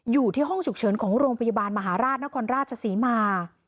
อยู่ที่ห้องฉุกเฉินของโรงพยาบาลมหาราชนครราชศรีมา